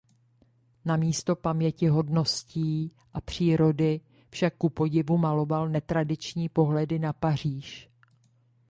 Namísto pamětihodností a přírody však kupodivu maloval netradiční pohledy na Paříž.